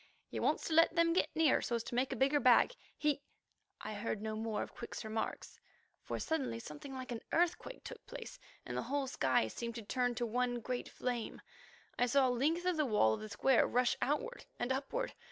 "He wants to let them get nearer so as to make a bigger bag. He——" I heard no more of Quick's remarks, for suddenly something like an earthquake took place, and the whole sky seemed to turn to one great flame. I saw a length of the wall of the square rush outward and upward.